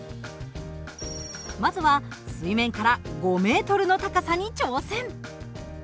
まずは水面から５ｍの高さに挑戦！